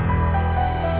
tiga waktu lagi